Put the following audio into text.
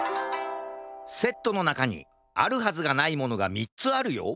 セットのなかにあるはずがないものが３つあるよ。